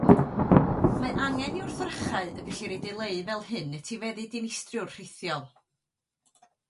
Mae angen i wrthrychau y gellir eu dileu fel hyn etifeddu dinistriwr rhithiol.